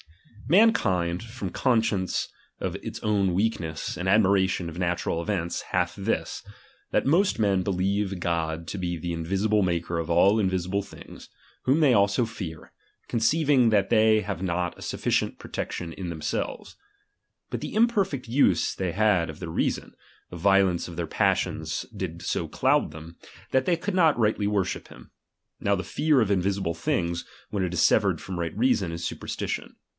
227 Mankind, from conscience of its own weak chap, xvi Bess and admiration of natural events, hatli this ; s„^„H',i^, ' that most men believe God to be the invisible p^ '^^b '■'> maker of all invisible things ; whom they also fear, gqii insiiiuteLi conceiving that they have not a sufficient protec hy^v\™,'^,°' tion in themselves. But the imperfect use they "''^''™'"""' had of their reason, the violence of their passions ttd so cloud them, that they could not rightly worship him. Now the fear of invisible things, when it is severed from right reason, is supersti tion.